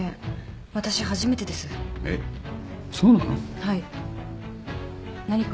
はい。何か？